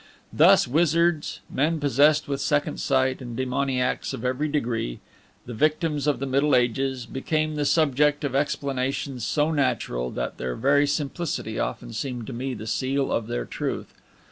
Thus wizards, men possessed with second sight, and demoniacs of every degree the victims of the Middle Ages became the subject of explanations so natural, that their very simplicity often seemed to me the seal of their truth.